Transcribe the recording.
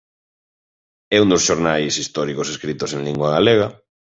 É un dos xornais históricos escritos en lingua galega.